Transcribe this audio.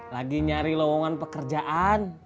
lagi nyari lowongan pekerjaan